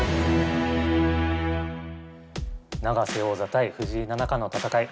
永瀬王座対藤井七冠の戦い